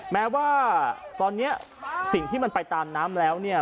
แม้ว่าตอนนี้สิ่งที่มันไปตามน้ำแล้วเนี่ย